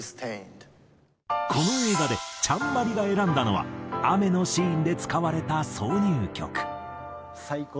この映画でちゃんＭＡＲＩが選んだのは雨のシーンで使われた挿入曲。